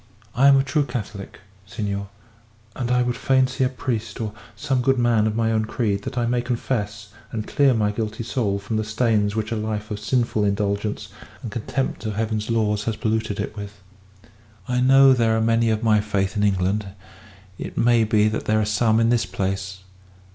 I am a true Catholic, senor, and I would fain see a priest, or some good man of my own creed, that I may confess, and clear my guilty soul from the stains which a life of sinful indulgence and contempt of Heaven's laws has polluted it with. I know there are many of my faith in England; it may be that there are some in this place.